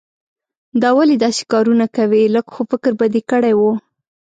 دا ولې داسې کارونه کوې؟ لږ خو فکر به دې کړای وو.